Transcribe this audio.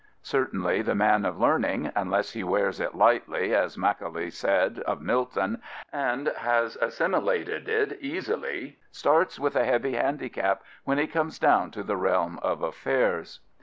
Certainly the man of learning, unless he wears it lightly, as Macaulay said of Milton, and has assimilated it easily, starts with a heavy handicap when he comes down into the realm of affairs.